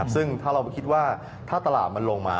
ซึ่งถ้าเราคิดว่าถ้าตลาดมันลงมา